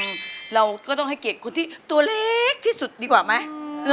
เราก็ต้องให้เกียรติคนที่ตัวเล็กที่สุดดีกว่าไหม